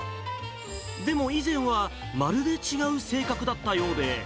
でも、以前はまるで違う性格だったようで。